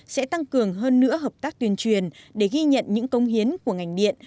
sẽ tăng cường hơn nữa hợp tác tuyên truyền để ghi nhận những công hiến của ngành điện